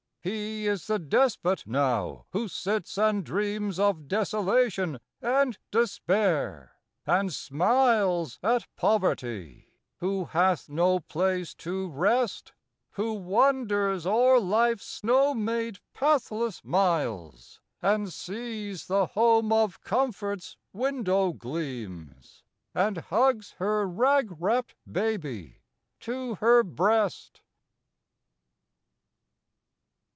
He is the despot now who sits and dreams Of Desolation and Despair, and smiles At Poverty, who hath no place to rest, Who wanders o'er Life's snow made pathless miles, And sees the Home of Comfort's window gleams, And hugs her rag wrapped baby to her breast.